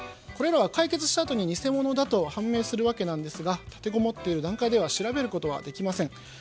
これらは解決したあとに偽物だと判明するわけなんですが立てこもっている段階では調べることはできません。